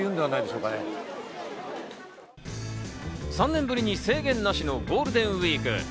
３年ぶりに制限なしのゴールデンウイーク。